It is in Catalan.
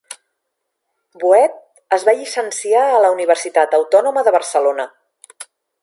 Boet es va llicenciar a la Universitat Autònoma de Barcelona.